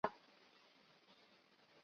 不停从她脸颊滑落